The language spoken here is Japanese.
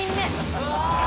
うわ！